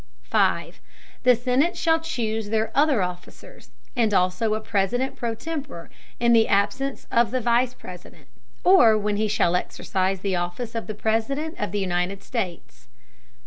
The Senate shall chuse their other Officers, and also a President pro tempore, in the Absence of the Vice President, or when he shall exercise the Office of President of the United States.